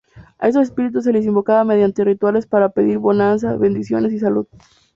A estos espíritus se les invocaba mediante rituales para pedir bonanza, bendiciones y salud.